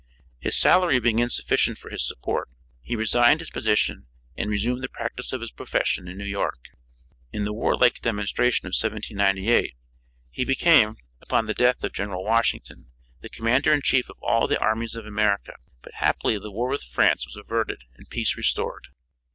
His salary being insufficient for his support, he resigned his position and resumed the practice of his profession in New York. In the warlike demonstration of 1798 he became, upon the death of General Washington, the Commander in Chief of all the armies of America, but happily the war with France was averted and peace restored.